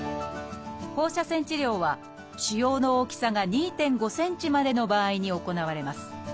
放射線治療は腫瘍の大きさが２．５ｃｍまでの場合に行われます。